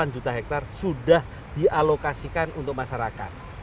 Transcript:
tiga belas delapan juta hektare sudah dialokasikan untuk masyarakat